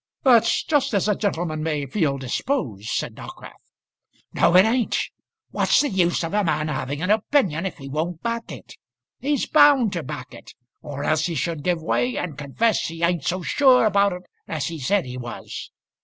"That's just as a gentleman may feel disposed," said Dockwrath. "No it ain't. What's the use of a man having an opinion if he won't back it? He's bound to back it, or else he should give way, and confess he ain't so sure about it as he said he was.